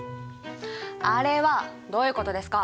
あれはどういうことですか？